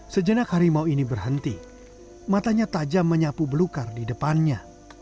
sejenak harimau ini berhenti matanya tajam menyapu belukar di depannya